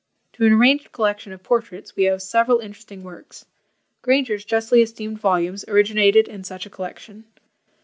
To an arranged collection of PORTRAITS, we owe several interesting works. Granger's justly esteemed volumes originated in such a collection.